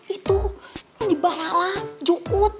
itu di baralah jogut